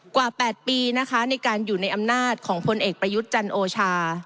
กว่า๘ปีนะคะในการอยู่ในอำนาจของพลเอกประยุทธ์จันโอชา